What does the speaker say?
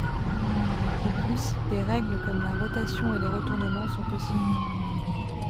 De plus, des règles comme la rotation et les retournements sont possibles.